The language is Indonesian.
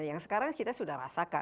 yang sekarang kita sudah rasakan